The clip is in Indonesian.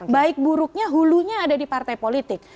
baik buruknya hulunya ada di partai politik